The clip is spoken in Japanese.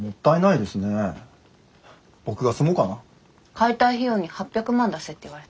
解体費用に８００万出せって言われて。